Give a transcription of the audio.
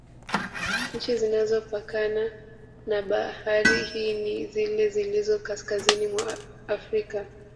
Nchi zinazopakana na bahari hii ni zile zilizo kaskazini Mwa frika